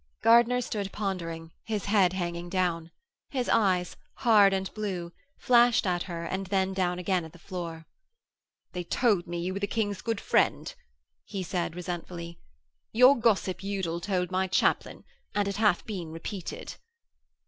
Gardiner stood pondering, his head hanging down. His eyes, hard and blue, flashed at her and then down again at the floor. 'They told me you were the King's good friend,' he said, resentfully. 'Your gossip Udal told my chaplain, and it hath been repeated.'